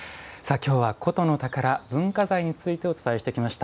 きょうは「古都の“宝”文化財」についてお伝えしてきました。